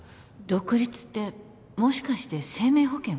独立ってもしかして生命保険を？